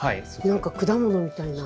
何か果物みたいな。